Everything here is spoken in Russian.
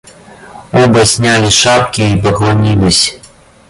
Оба сняли шапки и поклонились.